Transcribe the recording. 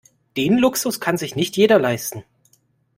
Den Luxus kann sich nicht jeder leisten.